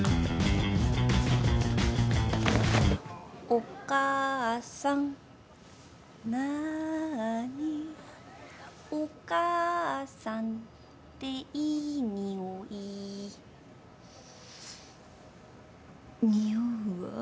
「おかあさん」「なあに」「おかあさんていいにおい」におうわ。